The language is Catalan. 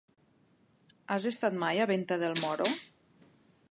Has estat mai a Venta del Moro?